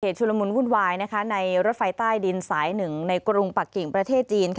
ชุลมุนวุ่นวายในรถไฟใต้ดินสาย๑ในกรุงปักกิ่งประเทศจีน